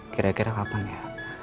kira kira kapan ya